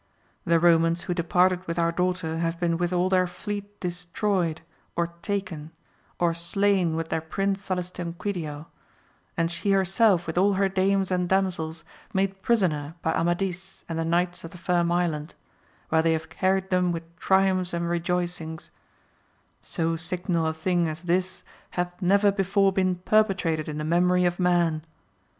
The Eomans who departed with our daughter have been with all their fleet destroyed, or taken, or slain with their Prince Salustanquidio, and she herself with all her dames and damsels made pri soner by Amadis and the knights of the Firm Island, where they have carried them with triumphs and re joicings ; so signal a thing as this hath never before been perpetrated in the memory of man.